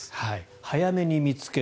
早めに見つける。